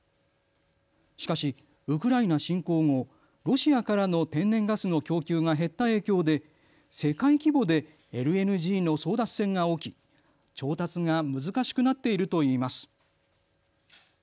しかしウクライナ侵攻後、ロシアからの天然ガスの供給が減った影響で世界規模でＬＮＧの争奪戦が起き調達が難しくなっているといいます。